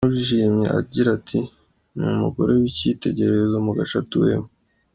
Yamushimye agira ati “Ni umugore w’ icyitegererezo mu gace atuyemo.